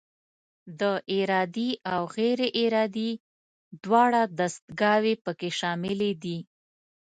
دا ارادي او غیر ارادي دواړه دستګاوې پکې شاملې دي.